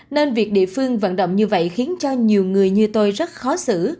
nên việc địa phương vận động như vậy khiến cho nhiều người như tôi rất khó xử